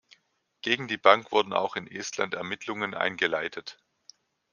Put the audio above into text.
Gegen die Bank wurden auch in Estland Ermittlungen eingeleitet.